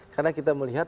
karena kita melihat